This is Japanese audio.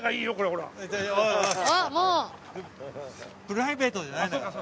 プライベートじゃないんだから。